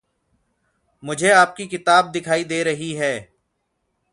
मुझे आपकी किताब दिखाई दे रही है।